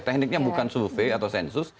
tekniknya bukan survei atau sensus